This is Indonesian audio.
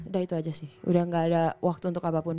udah itu aja sih udah gak ada waktu untuk apapun